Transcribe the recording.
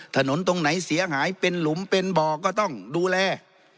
ถนนตรงไหนเสียหายเป็นหลุมเป็นบ่อก็ต้องดูแล